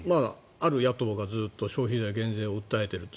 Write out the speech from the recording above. ある野党がずっと消費税の減税を訴えていると。